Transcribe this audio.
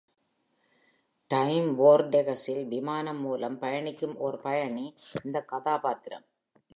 Time வார்டெகஸில் விமானம் மூலம் பயணிக்கும் ஓர் பயணி இந்தக் கதாபாத்திரம்.